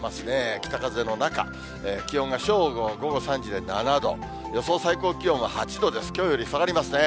北風の中、気温が正午、午後３時で７度、予想最高気温は８度です、きょうより下がりますね。